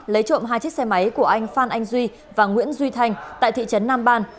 lấy trộm hai chiếc xe máy của anh phan anh duy và nguyễn duy thanh tại thị trấn nam ban